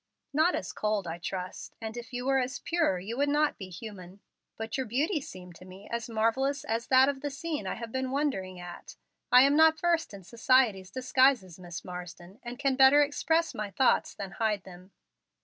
"Not as cold, I trust, and if you were as pure you would not be human. But your beauty seemed to me as marvellous as that of the scene I had been wondering at. I am not versed in society's disguises, Miss Marsden, and can better express my thoughts than hide them.